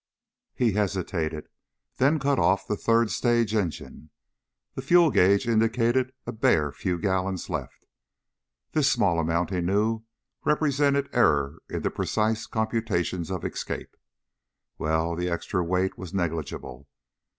He hesitated, then cut off the third stage engine. The fuel gauge indicated a bare few gallons left. This small amount, he knew, represented error in the precise computations of escape. Well, the extra weight was negligible.